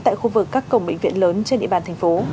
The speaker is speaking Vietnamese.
tại khu vực các cổng bệnh viện lớn trên địa bàn thành phố